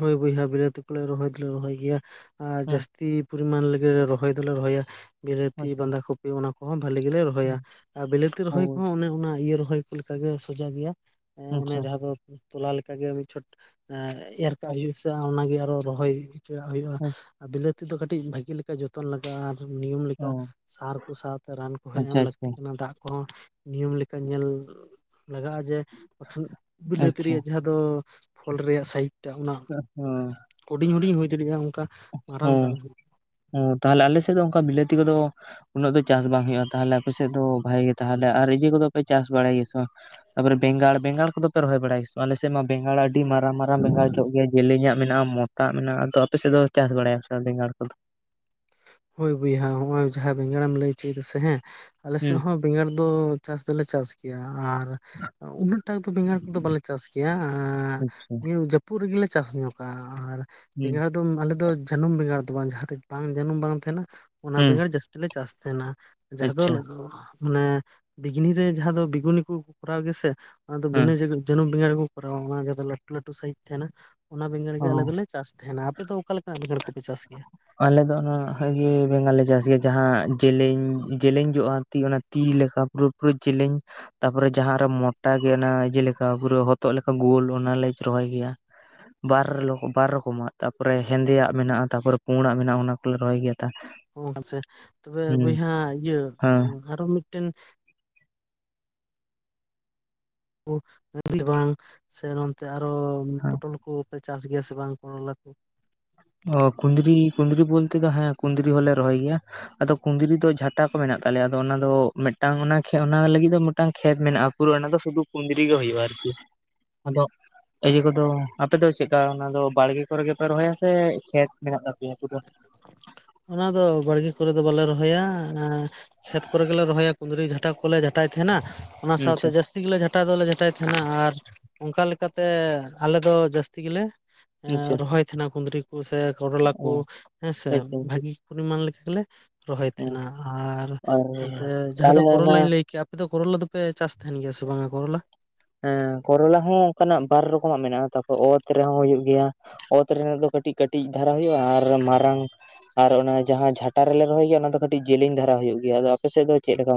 ᱦᱳᱭ ᱵᱚᱭᱦᱟ ᱵᱤᱞᱟᱹᱛᱤ ᱠᱚᱞᱮ ᱨᱚᱦᱚᱭ ᱫᱚᱞᱮ ᱨᱚᱦᱚᱭ ᱜᱮᱭᱟ ᱟᱨ ᱦᱩᱸ ᱡᱟᱹᱥᱛᱤᱼᱼ ᱯᱚᱨᱤᱢᱟᱱ ᱞᱮ ᱜᱮ ᱨᱮ ᱨᱚᱦᱚᱭ ᱫᱚᱞᱮ ᱨᱚᱦᱚᱭᱟ᱾ ᱵᱤᱞᱟᱹᱛᱤ ᱟᱪᱪᱷᱟ ᱵᱟᱸᱫᱷᱟ ᱠᱚᱯᱤ ᱚᱱᱟ ᱠᱩᱦᱚᱸ ᱵᱷᱟᱞᱤ ᱜᱤᱞᱮ ᱨᱚᱦᱚᱭᱟ ᱦᱩᱸ ᱟᱨ ᱵᱤᱞᱟᱹᱛᱤ ᱨᱚᱦᱚᱭ ᱦᱳᱭ ᱠᱩᱦᱚᱸ ᱚᱱᱮ ᱚᱱᱟ ᱤᱭᱟᱹ ᱨᱚᱦᱚᱭᱼᱼ ᱠᱩ ᱞᱮᱠᱟ ᱜᱮ ᱥᱚᱡᱟ ᱜᱮᱭᱟ ᱮᱸ ᱚᱱᱮ ᱟᱪᱪᱷᱟ ᱡᱟᱦᱟᱸ ᱫᱚ ᱩᱸ ᱛᱚᱞᱟ ᱞᱮᱠᱟ ᱜᱮ ᱢᱤᱫ ᱪᱷᱚᱴ ᱮᱸᱼᱼ ᱮᱨ ᱠᱟᱜ ᱦᱩᱭᱩᱜ-ᱟ ᱥᱮ ᱚᱱᱟ ᱜᱮ ᱟᱨᱚ ᱨᱚᱦᱚᱭ ᱦᱩᱭ ᱦᱚᱪᱩᱣᱟᱜ ᱦᱩᱭᱩᱜ-ᱟ ᱦᱳᱭ᱾ ᱟᱨ ᱵᱤᱞᱟᱹᱛᱤ ᱫᱚ ᱠᱟᱹᱴᱤᱡ ᱵᱷᱟᱹᱜᱤ ᱞᱮᱠᱟ ᱡᱚᱛᱼᱼ ᱛᱚᱱ ᱞᱟᱜᱟᱜ-ᱟ, ᱟᱨ ᱱᱤᱭᱚᱢ ᱞᱮᱠᱟ ᱚ ᱥᱟᱨ ᱠᱩ ᱥᱟᱶᱛᱮ ᱨᱟᱱ ᱠᱩᱦᱚᱸ ᱟᱪᱪᱷᱟ ᱮᱢ ᱟᱪᱪᱷᱟ ᱞᱟᱹᱠᱛᱤ ᱠᱟᱱᱟ ᱫᱟᱜ ᱠᱩᱦᱚᱸ, ᱱᱤᱭᱚᱢ ᱞᱮᱠᱟ ᱧᱮᱞ ᱞᱟᱜᱟᱜ-ᱟ ᱡᱮ ᱵᱟᱠᱷᱟᱱ ᱵᱤᱞᱟᱹᱛᱤ ᱟᱪᱪᱷᱟ ᱨᱮᱭᱟᱜ ᱡᱟᱦᱟᱸᱼᱼ ᱫᱚ ᱯᱷᱚᱞ ᱨᱮᱭᱟᱜ ᱥᱟᱭᱤᱡᱽ ᱴᱟᱜ ᱚᱱᱟ ᱦᱩᱰᱤᱝ ᱦᱩᱰᱤᱧ ᱦᱩᱭ ᱫᱟᱹᱲᱤᱜᱼᱟ ᱚᱱᱠᱟ᱾ ᱢᱟᱨᱟᱝ ᱦᱩᱸ ᱵᱟᱝ ᱦᱩᱭ ᱦᱩᱸ ᱛᱟᱦᱚᱞᱮ ᱟᱞᱮ ᱥᱮᱜ ᱫᱚ ᱚᱱᱠᱟ ᱵᱤᱞᱟᱹᱛᱤ ᱠᱚᱫᱚ ᱩᱱᱟᱹᱜ ᱫᱚ ᱪᱟᱥ ᱵᱟᱝ ᱦᱩᱭᱩᱜ-ᱟ᱾ ᱛᱟᱦᱚᱞᱮ ᱟᱯᱮ ᱥᱮᱜ ᱫᱚ ᱵᱷᱟᱜᱮ ᱜᱮ ᱛᱟᱦᱚᱞᱮ ᱟᱨ ᱤᱭᱟᱹ ᱠᱚᱫᱚ ᱯᱮ ᱪᱟᱥ ᱵᱟᱲᱟᱭ ᱜᱮᱭᱟ ᱥᱮ ᱵᱟ? ᱛᱟᱯᱚᱨᱮ ᱵᱮᱸᱜᱟᱲ ᱵᱮᱝᱜᱟᱲ ᱠᱚᱫᱚ ᱯᱮ ᱨᱚᱦᱚᱭ ᱵᱟᱲᱟᱭᱟ ᱥᱮ ᱵᱟᱝ ᱟᱞᱮ ᱥᱮᱜ ᱢᱟ ᱵᱮᱸᱜᱟᱲ ᱟᱹᱰᱤ ᱢᱟᱨᱟᱝ ᱢᱟᱨᱟᱝ ᱵᱮᱸᱜᱟᱲ ᱡᱚᱜ ᱜᱮᱭᱟ ᱡᱮᱞᱮᱧᱟᱜ ᱢᱮᱱᱟᱜ-ᱟ, ᱢᱚᱴᱟ ᱟᱜ ᱢᱮᱱᱟᱜ-ᱟ, ᱟᱫᱚ ᱟᱯᱮ ᱥᱮᱜ ᱫᱚ ᱪᱟᱥ ᱵᱟᱲᱟᱭᱟ ᱯᱮ ᱥᱮ ᱵᱟᱝ ᱵᱮᱸᱜᱟᱲ ᱠᱚᱫᱚ? ᱦᱳᱭ ᱵᱚᱭᱦᱟ ᱦᱚᱸᱜ-ᱚᱭ ᱡᱟᱦᱟᱸ ᱵᱮᱸᱜᱟᱲᱮᱢ ᱞᱟᱹᱭ ᱩᱪᱩᱭ ᱫᱟ ᱥᱮ ᱦᱮᱸ ᱟᱞᱮ ᱥᱮᱜ ᱦᱩᱸ ᱦᱚᱸᱼᱼ ᱵᱮᱸᱜᱟᱲ ᱫᱚ ᱪᱟᱥ ᱫᱚᱞᱮ ᱪᱟᱥ ᱼᱼ ᱟᱨ ᱩᱱᱟᱹᱜ ᱴᱟᱜ ᱫᱚ ᱵᱮᱸᱜᱟᱲ ᱠᱩᱫᱚ ᱵᱟᱞᱮ ᱪᱟᱥ ᱜᱮᱭᱟ ᱟᱸᱻ ᱟᱪᱪᱷᱟ ᱱᱤᱭᱟᱹ ᱡᱟᱹᱯᱼᱼ ᱯᱩᱨ ᱜᱮᱞᱮ ᱪᱟᱥ ᱧᱚᱠᱟ ᱟᱨ ᱦᱩᱸ ᱵᱮᱸᱜᱟᱲ ᱫᱚ ᱟᱞᱮ ᱫᱚ ᱡᱟᱹᱱᱩᱢ ᱵᱮᱸᱜᱟᱲ ᱫᱚ ᱵᱟᱝ ᱡᱟᱦᱟᱸ ᱵᱟᱝ ᱡᱟᱹᱱᱩᱢ ᱵᱟᱝ ᱛᱟᱦᱮᱱᱟ ᱚᱱᱟ ᱦᱩᱸ ᱵᱮᱸᱜᱟᱲ ᱡᱟᱹᱥᱛᱤ ᱞᱮ ᱪᱟᱥ ᱛᱟᱦᱮᱱᱟ ᱡᱟᱦᱟᱸ ᱫᱚ ᱟᱪᱪᱷᱟ ᱢᱟᱱᱮ ᱵᱤᱜᱽᱱᱤ ᱨᱮ ᱡᱟᱦᱟᱸ ᱫᱚ ᱵᱤᱜᱩᱱᱤ ᱠᱚ ᱠᱚᱨᱟᱣ ᱜᱮᱭᱟ ᱥᱮ ᱚᱱᱟ ᱫᱚ ᱦᱮᱸ ᱵᱤᱱᱟᱹ ᱡᱟ ᱡᱟᱹᱱᱩᱢ ᱵᱮᱸᱜᱟᱲ ᱠᱩ ᱠᱚᱨᱟᱣᱟ ᱚᱱᱟ ᱜᱮ ᱛᱟᱦᱚᱞᱮ ᱞᱟᱹᱴᱩ ᱞᱟᱹᱴᱩ ᱥᱟᱭᱤᱡ ᱛᱟᱦᱮᱱᱟ ᱚᱱᱟ ᱵᱮᱸᱜᱟᱲ ᱜᱮ ᱟᱞᱮ ᱚ ᱫᱚᱠᱮ ᱪᱟᱥ ᱛᱟᱦᱮᱱᱟ ᱟᱯᱮ ᱫᱚ ᱚᱠᱟ ᱞᱮᱠ ᱵᱮᱸᱜᱟᱲ ᱠᱚᱯᱮ ᱪᱟᱥ ᱜᱮᱭᱟ ᱟᱞᱮ ᱫᱚ ᱚᱱᱟ ᱤᱭᱟᱹ ᱵᱮᱸᱜᱟᱲ ᱞᱮ ᱪᱟᱥ ᱜᱮᱭᱟ ᱡᱟᱦᱟᱸ ᱡᱮᱞᱮᱧ ᱡᱮᱞᱮᱧ ᱡᱚᱜᱼᱟ ᱛᱤ ᱚᱱᱟ ᱛᱤ ᱞᱮᱠᱟ ᱯᱩᱨᱟᱹ ᱯᱩᱨᱟᱹ ᱡᱮᱞᱮᱧ ᱛᱟᱯᱚᱨᱮ ᱡᱟᱦᱟᱸ ᱟᱨ ᱢᱚᱴᱟ ᱜᱮ ᱚᱱᱟ ᱤᱡᱟᱹ ᱞᱮᱠᱟ ᱯᱩᱨᱟᱹ ᱦᱚᱛᱚᱜ ᱞᱮᱠᱟ ᱜᱳᱞ ᱚᱱᱟᱞᱮ ᱨᱚᱦᱚᱭ ᱜᱮᱭᱟ ᱵᱟᱨ ᱨᱮᱞᱚ ᱵᱟᱨ ᱨᱚᱠᱚᱢᱟᱜ ᱛᱟᱯᱚᱨᱮ ᱦᱮᱸᱫᱮᱭᱟᱜ ᱢᱮᱱᱟᱜᱼᱟ ᱛᱟᱯᱚᱨᱮ ᱯᱩᱲᱟᱜ ᱢᱮᱱᱟᱜᱼᱟ ᱚᱱᱟ ᱠᱚᱞᱮ ᱨᱚᱦᱚᱭ ᱜᱮᱭᱟ ᱚ ᱦᱮᱸᱥᱮ ᱛᱚᱵᱮ ᱦᱩᱸ ᱵᱚᱭᱦᱟ ᱤᱭᱟᱹ ᱦᱮᱸ ᱟᱨᱚ ᱢᱤᱫᱴᱮᱱ [UNINTELLIGIBLE] ᱵᱟᱝ ᱥᱮ ᱱᱚᱱᱛᱮ ᱟᱨᱚ ᱦᱮᱸ ᱯᱚᱴᱚᱞ ᱠᱚ ᱛᱚ ᱪᱟᱥ ᱜᱮᱭᱟ ᱥᱮ ᱵᱟᱝ ᱠᱚᱨᱚᱞᱟ ᱠᱚ ᱚᱻ ᱠᱩᱸᱫᱽᱨᱤ ᱠᱩᱸᱫᱽᱨᱤ ᱵᱩᱞᱛᱮ ᱫᱚ ᱦᱮᱸ ᱠᱩᱸᱫᱽᱨᱤ ᱦᱚᱸᱞᱮ ᱨᱚᱦᱚᱭ ᱜᱮᱭᱟ᱾ ᱟᱫᱚ ᱠᱩᱸᱫᱽᱨᱤ ᱫᱚ ᱡᱷᱟᱴᱟ ᱠᱚ ᱢᱮᱱᱟᱜ ᱛᱟᱞᱮᱭᱟ ᱟᱫᱚ ᱚᱱᱟ ᱫᱚ ᱢᱮᱜᱴᱟᱝ ᱚᱱᱟ ᱚᱱᱟ ᱠᱷᱮ ᱚᱱᱟ ᱞᱟᱹᱜᱤᱫ ᱫᱚ ᱢᱤᱫᱴᱟᱝ ᱠᱷᱮᱛ ᱢᱮᱱᱟᱜᱼᱟ ᱯᱩᱨᱟᱹ ᱚᱱᱟ ᱫᱚ ᱥᱩᱫᱩ ᱠᱩᱸᱫᱽᱨᱤ ᱜᱮ ᱦᱩᱭᱩᱜᱼᱟ ᱟᱨᱠᱤ ᱟᱫᱚ ᱤᱭᱟᱹ ᱠᱚᱫᱚ ᱟᱯᱮ ᱫᱚ ᱪᱮᱫᱠᱟ ᱚᱱᱟ ᱫᱚ ᱵᱟᱲᱜᱮ ᱠᱚᱨᱮ ᱜᱮ ᱯᱮ ᱨᱚᱦᱚᱭᱟ ᱥᱮ ᱠᱷᱮᱛ ᱢᱮᱱᱟᱜ ᱛᱟᱯᱮᱭᱟ ᱯᱩᱨᱟᱹ ᱚᱱᱟ ᱫᱚ ᱵᱟᱲᱜᱮ ᱠᱚᱨᱮ ᱫᱚ ᱵᱟᱞᱮ ᱨᱚᱦᱚᱭᱟ ᱠᱷᱮᱛ ᱠᱚᱨᱮ ᱜᱮᱞᱮ ᱨᱚᱦᱚᱭᱟ ᱠᱩᱸᱫᱽᱨᱤ ᱡᱷᱟᱴᱟ ᱠᱚᱞᱮ ᱡᱷᱟᱴᱟᱭ ᱛᱟᱦᱮᱸᱱᱟ ᱚᱱᱟ ᱥᱟᱶᱛᱮ ᱟᱪᱪᱷᱟ ᱡᱟᱹᱥᱛᱤ ᱜᱮᱞᱮ ᱡᱷᱟᱴ ᱡᱷᱟᱴᱟ ᱫᱚᱞᱮ ᱡᱷᱟᱴᱟᱭ ᱛᱟᱦᱮᱱᱟ ᱟᱨ ᱚᱱᱠᱟ ᱞᱮᱠᱟᱛᱮ ᱟᱞᱮ ᱫᱚ ᱡᱟᱹᱥᱛᱤ ᱜᱮᱞᱮ ᱟᱪᱪᱷᱟ ᱨᱚᱦᱚᱭ ᱛᱟᱦᱮᱸᱱᱟ ᱠᱩᱸᱫᱽᱨᱤ ᱠᱚ ᱥᱮ ᱠᱚᱨᱚᱞᱟ ᱠᱚ ᱚ ᱦᱮᱸᱥᱮ ᱦᱳᱭᱛᱚ ᱵᱷᱟᱹᱜᱤ ᱯᱚᱨᱤᱢᱟᱱ ᱞᱮᱠᱟ ᱜᱮᱞᱮ ᱨᱚᱦᱚᱭ ᱚ ᱛᱟᱦᱮᱸᱱᱟ ᱟᱨ ᱚᱱᱛᱮ ᱡᱟᱦᱟᱸ ᱛᱟᱦᱚᱞᱮ ᱫᱚ ᱚᱱᱟ ᱠᱚᱨᱚᱞᱟᱧ ᱞᱟᱹᱭ ᱠᱮ ᱟᱯᱮ ᱫᱚ ᱠᱚᱨᱚᱞᱟ ᱫᱚᱯᱮ ᱪᱟᱥ ᱛᱟᱦᱮᱱ ᱜᱮᱭᱟ ᱥᱮ ᱵᱟᱝ ᱠᱚᱨᱚᱞᱟ ᱦᱮᱸ ᱠᱚᱨᱚᱞᱟ ᱦᱚᱸ ᱚᱱᱠᱟᱱᱟᱜ ᱵᱟᱨ ᱨᱚᱠᱚᱢᱟᱜ ᱢᱮᱱᱟᱜᱼᱟ ᱛᱟᱯᱚᱨ ᱚᱛ ᱨᱮᱦᱚᱸ ᱦᱩᱭᱩᱜ ᱜᱮᱭᱟ᱾ ᱚᱛ ᱨᱮᱱᱟᱜ ᱫᱚ ᱠᱟᱹᱴᱤᱡ ᱠᱟᱹᱴᱤᱡ ᱫᱷᱟᱨᱟ ᱦᱩᱭᱩᱜᱼᱟ ᱟᱨ ᱢᱟᱨᱟᱝ ᱟᱨ ᱚᱱᱟ ᱡᱟᱦᱟᱸ ᱡᱷᱟᱴᱟ ᱨᱮᱞᱮ ᱨᱚᱦᱚᱭ ᱜᱮᱭᱟ᱾ ᱚᱱᱟ ᱫᱚ ᱠᱟᱹᱴᱤᱡ ᱡᱮᱞᱮᱧ ᱫᱷᱟᱨᱟ ᱦᱩᱭᱩᱜ ᱜᱮᱭᱟ ᱟᱫᱚ ᱟᱯᱮᱥᱮᱫ ᱫᱚ ᱪᱮᱫ ᱞᱮᱠᱟ